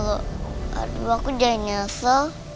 aduh aku jadi nyesel